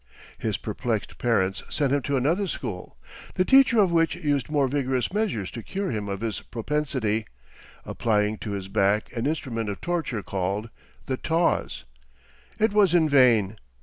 His perplexed parents sent him to another school, the teacher of which used more vigorous measures to cure him of his propensity, applying to his back an instrument of torture called "the taws." It was in vain.